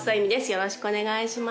よろしくお願いします